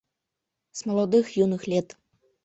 С молодых юных лет.